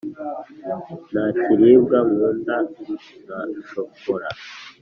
ntakiribwa nkunda nka shokola